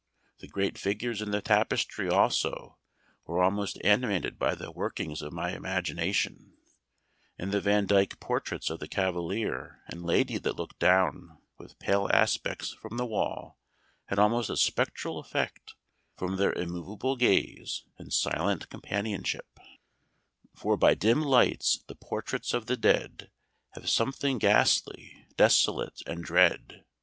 The great figures in the tapestry, also, were almost animated by the workings of my imagination, and the Vandyke portraits of the cavalier and lady that looked down with pale aspects from the wall, had almost a spectral effect, from their immovable gaze and silent companionship "For by dim lights the portraits of the dead Have something ghastly, desolate, and dread.